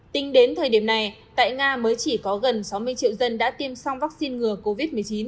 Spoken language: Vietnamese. tính đến thời điểm này tại nga mới chỉ có gần sáu mươi triệu dân đã tiêm xong vaccine ngừa covid một mươi chín